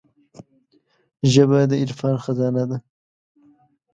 ژبه د عرفان خزانه ده